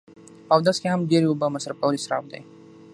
په اودس هم ډیری اوبه مصرف کول اصراف دی